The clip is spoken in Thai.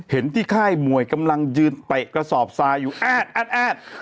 เห็นที่ค่ายมวยกำลังยืนเตะกระสอบซาอยู่แอด